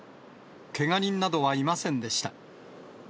けが人などはいませんでした。